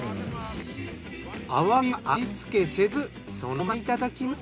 アワビは味付けせずそのままいただきます。